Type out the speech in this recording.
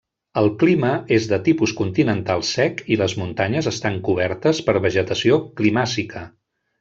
El clima és de tipus continental sec i les muntanyes estan cobertes per vegetació climàcica.